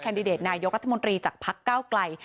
เซ็นตี้เดดนายกรัฐมนอระทะมนตรีจากพักก้าวไกล